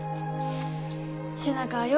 背中はよ